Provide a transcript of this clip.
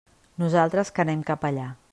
Nosaltres que anem cap allà.